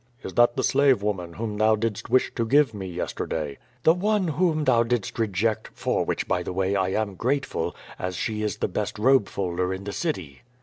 '^ "Is that the slave woman whom thou didst wish to give me yesterday?" "The one whom thou didst reject, for which, by the way, T am grateful, as she is the best robe folder in the city."